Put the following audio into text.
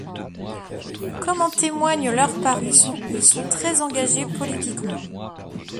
Comme en témoignent leurs paroles, ils sont très engagés politiquement.